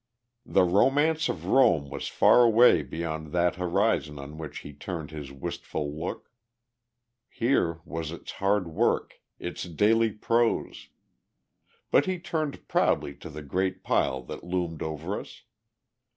The romance of Rome was far away beyond that horizon on which he turned his wistful look; here was its hard work, its daily prose. But he turned proudly to the great pile that loomed over us.